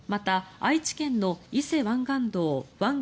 愛知県の伊勢湾岸道湾岸